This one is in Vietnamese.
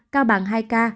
cao bằng hai ca